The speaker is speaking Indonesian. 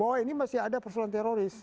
bahwa ini masih ada persoalan teroris